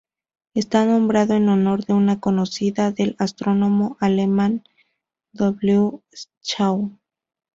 Está nombrado en honor de una conocida del astrónomo alemán W. Schaub.